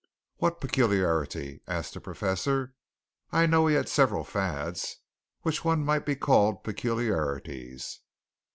"What peculiarity?" asked the Professor. "I know he had several fads, which one might call peculiarities."